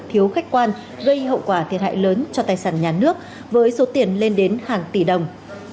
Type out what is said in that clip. thiếu khách quan gây hậu quả thiệt hại lớn cho tài sản nhà nước với số tiền lên đến hàng tỷ đồng